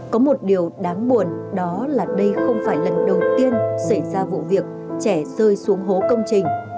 có một điều đáng buồn đó là đây không phải lần đầu tiên xảy ra vụ việc trẻ rơi xuống hố công trình